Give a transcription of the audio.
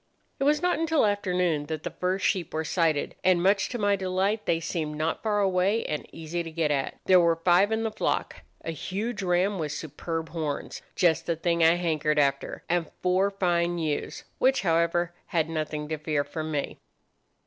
"It was not until afternoon that the first sheep were sighted, and, much to my delight, they seemed not far away, and easy to get at. There were five in the flock: a huge ram with superb horns—just the thing I hankered after—and four fine ewes, which, however, had nothing to fear from me.